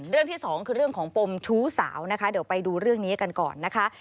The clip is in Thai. ที่สองคือเรื่องของปมชู้สาวนะคะเดี๋ยวไปดูเรื่องนี้กันก่อนนะคะ